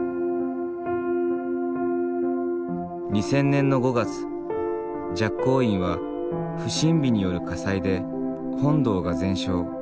２０００年の５月寂光院は不審火による火災で本堂が全焼。